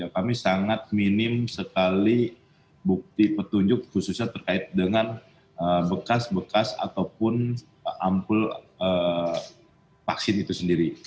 kami sangat minim sekali bukti petunjuk khususnya terkait dengan bekas bekas ataupun ampul vaksin itu sendiri